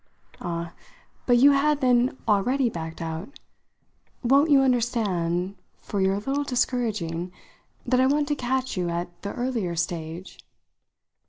"Ah, but you had then already backed out. Won't you understand for you're a little discouraging that I want to catch you at the earlier stage?"